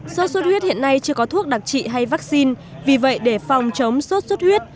sốt xuất huyết hiện nay chưa có thuốc đặc trị hay vaccine vì vậy để phòng chống sốt xuất huyết